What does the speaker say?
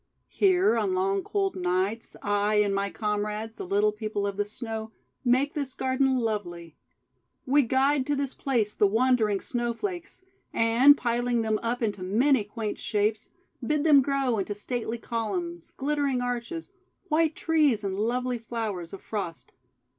"Here on long cold nights I and my comrades, the Little People of the Snow, make this garden lovely. We guide to this place the wandering Snowflakes, and, piling them up into many quaint shapes, bid them grow into stately columns, glittering arches, white trees, and lovely flowers of Frost.